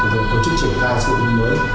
của tổ chức trẻ ca sĩ mới